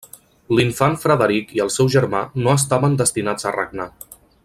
L'infant Frederic i el seu germà no estaven destinats a regnar.